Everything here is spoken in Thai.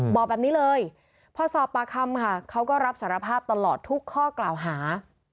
บอกแบบนี้เลยพอสอบปากคำค่ะเขาก็รับสารภาพตลอดทุกข้อกล่าวหา